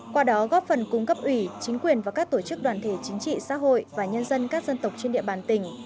qua đó góp phần cung cấp ủy chính quyền và các tổ chức đoàn thể chính trị xã hội và nhân dân các dân tộc trên địa bàn tỉnh